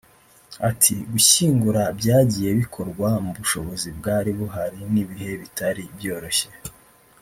Ati “Gushyingura byagiye bikorwa mu bushobozi bwari buhari n’ibihe bitari byoroshye